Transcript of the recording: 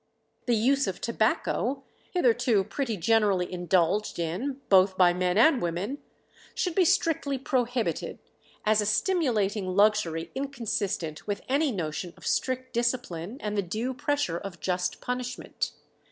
The use of tobacco, hitherto pretty generally indulged in both by men and women, should be strictly prohibited, "as a stimulating luxury inconsistent with any notion of strict discipline and the due pressure of just punishment."